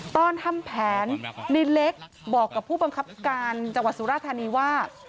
ตอนทำแผนในเล็กบอกกับผู้บังคับการจังหวัดสุราธานีว่า